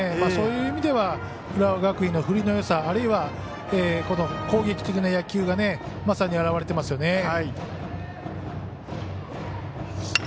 そういう意味では浦和学院の振りのよさあるいは攻撃的な野球がまさに表れていますよね。